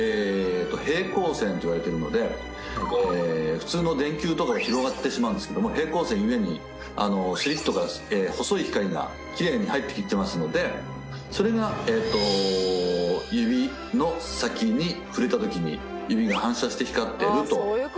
普通の電球とかは広がってしまうんですけども平行線ゆえにスリットが細い光が奇麗に入ってきてますのでそれが指の先に触れたときに指が反射して光ってるというところなんです。